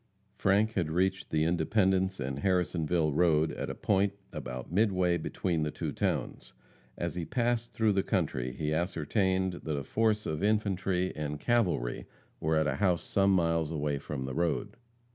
Frank had reached the Independence and Harrisonville road at a point about midway between the two towns. As he passed through the country he ascertained that a force of infantry and cavalry were at a house some miles away from the road.